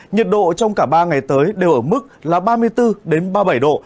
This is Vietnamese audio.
nhiệt độ trong cả ba ngày tới đều ở mức là ba mươi bốn ba mươi bảy độ